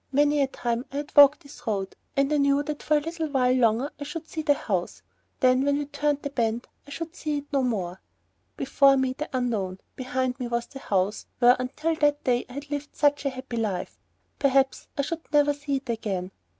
Many a time I had walked this road and I knew that for a little while longer I should still see the house, then when we turned the bend, I should see it no more. Before me the unknown, behind me was the house, where until that day I had lived such a happy life. Perhaps I should never see it again!